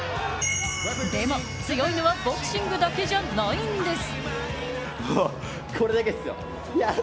でも、強いのはボクシングだけじゃないんです。